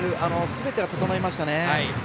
すべてが整いましたね。